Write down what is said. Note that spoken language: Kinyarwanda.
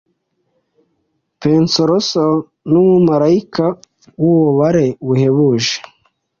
penseroso numumarayika wububabare buhebuje